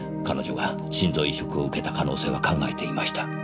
彼女が心臓移植を受けた可能性は考えていました。